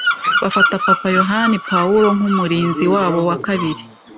bafata Papa Yohani Pawulo nk'umurinzi wabo wa kabiri